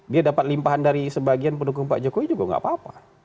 dia dapat limpahan dari sebagian pendukung pak jokowi juga gak apa apa